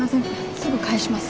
すぐ返します。